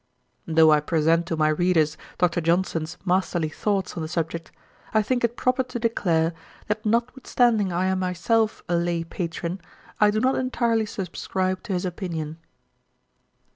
Though I present to my readers Dr. Johnson's masterly thoughts on the subject, I think it proper to declare, that notwithstanding I am myself a lay patron, I do not entirely subscribe to his opinion.